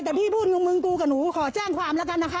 แต่พี่พูดมึงกูกับหนูขอแจ้งความแล้วกันนะคะ